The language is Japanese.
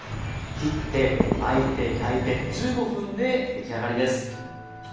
切って巻いて焼いて１５分で出来上がりです！